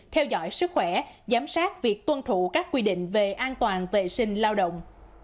theo dõi sức khỏe giám sát việc tuân thủ các quy định về an toàn vệ sinh lao động